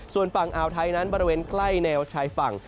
ส่วนฝั่งอ่าวไทยนั้นบริเวณใกล้แนวชายฝั่ง